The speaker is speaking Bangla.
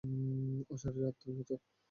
অশীরিরী আত্মার মতো।